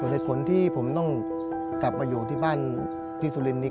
เหตุผลที่ผมต้องกลับมาอยู่ที่บ้านที่สุรินนี้